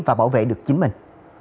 và bảo vệ được chính mình